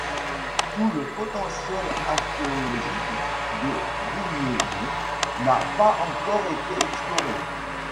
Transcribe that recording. Tout le potentiel archéologique de Brignemont n'a pas encore été exploré.